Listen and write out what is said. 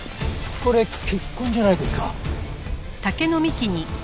これ血痕じゃないですか？